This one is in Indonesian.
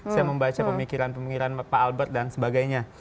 saya membaca pemikiran pemikiran pak albert dan sebagainya